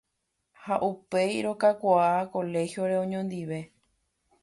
ha upéi rokakuaa colegio-re oñondive.